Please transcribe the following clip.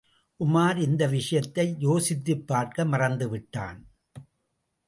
உமார் இந்த விஷயத்தை யோசித்துப்பார்க்க மறந்துவிட்டான்.